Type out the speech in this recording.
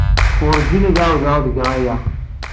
Werjin ad ɛawdeɣ ad geɣ aya!